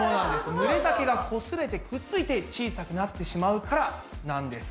ぬれた毛がこすれてくっついて小さくなってしまうからなんです。